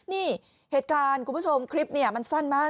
นี่เหตุการณ์คุณผู้ชมคลิปนี้มันสั้นมาก